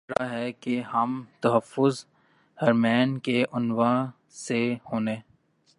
اب بھی ہو رہاہے کیا ہم تحفظ حرمین کے عنوان سے ہونے